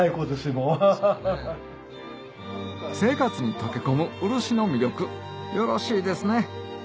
生活に溶け込む漆の魅力よろしいですね